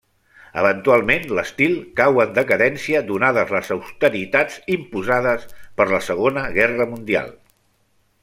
Eventualment, l'estil cau en decadència donades les austeritats imposades per la Segona Guerra mundial.